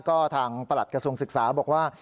ก็ทางประหลัดกระทรวงศึกษาบอกว่า